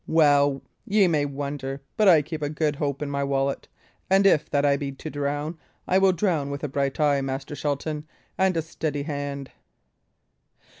Well, ye may wonder, but I keep a good hope in my wallet; and if that I be to drown, I will drown with a bright eye, Master Shelton, and a steady hand."